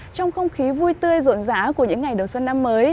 trong không khí vui tươi rộn rã của những ngày đầu xuân năm mới